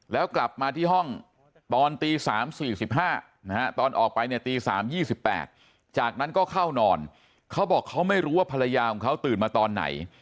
แล้วกลับมาที่ห้องตอนตี๓๔๕ตอนออกไปเนี่ยตี๓๒๘จากนั้นก็เข้านอนเขาบอกเขาไม่รู้ว่าภรรยาของเขาตื่นมาตอนไหน